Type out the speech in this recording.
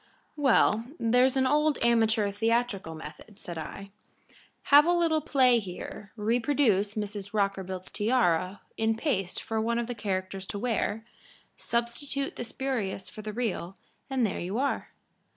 _" "Well, there's the old amateur theatrical method," said I. "Have a little play here, reproduce Mrs. Rockerbilt's tiara in paste for one of the characters to wear, substitute the spurious for the real, and there you are."